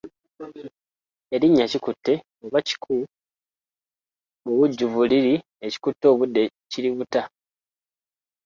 Erinnya Kikutte oba kiku mubujjuvu liri Ekikutte obudde kiributa.